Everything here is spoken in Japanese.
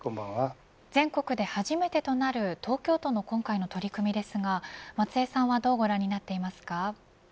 全国で初めてとなる東京都の今回の取り組みですが松江さんはどうご覧になっていますか。